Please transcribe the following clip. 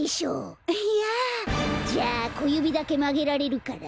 いやあ。じゃあこゆびだけまげられるから？